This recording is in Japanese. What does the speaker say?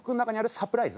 サプライズ？